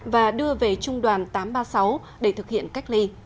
và đưa về trung đoàn tám trăm ba mươi sáu để thực hiện cách ly